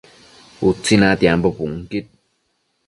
Utsi natiambo bunquid